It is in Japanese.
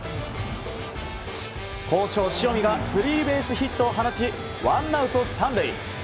好調、塩見がスリーベースヒットを放ちワンアウト３塁。